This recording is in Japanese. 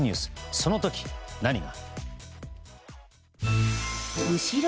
その時、何が。